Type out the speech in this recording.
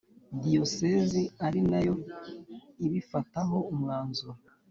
Diyosezi ari nayo ibifataho umwanzuro